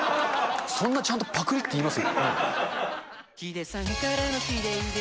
そんなちゃんとパクリって言います？